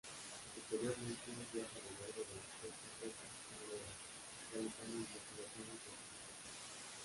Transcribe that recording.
Posteriormente, viaja a lo largo de las costas suecas y noruegas, realizando investigaciones científicas.